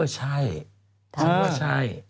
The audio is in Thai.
จากกระแสของละครกรุเปสันนิวาสนะฮะ